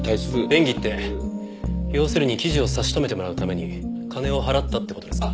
便宜って要するに記事を差し止めてもらうために金を払ったって事ですか？